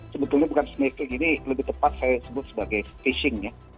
sebetulnya bukan sniffick ini lebih tepat saya sebut sebagai fishing ya